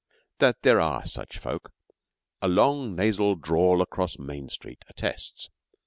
That there are such folk, a long nasal drawl across Main Street attests.